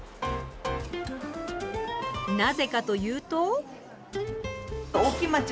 なぜかというと。